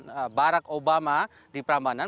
sampaikan barack obama di perambanan